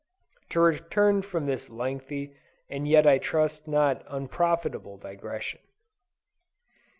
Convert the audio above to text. To return from this lengthy and yet I trust not unprofitable digression.